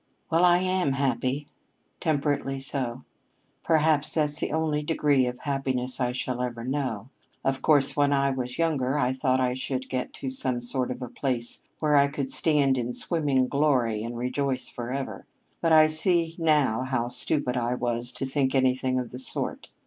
"Well, I am happy temperately so. Perhaps that's the only degree of happiness I shall ever know. Of course, when I was younger I thought I should get to some sort of a place where I could stand in swimming glory and rejoice forever, but I see now how stupid I was to think anything of the sort.